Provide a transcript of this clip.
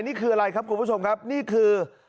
นี่คืออะไรครับคุณผู้ชมครับนี่คือ